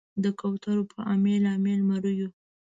د کوترو په امیل، امیل مریو